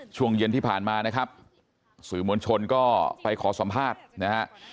ช่วงเย็นที่ผ่านมานะครับสื่อมวลชนก็ไปขอสัมภาษณ์นะฮะ